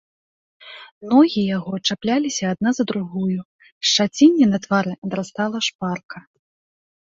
Ногі яго чапляліся адна за другую, шчацінне на твары адрастала шпарка.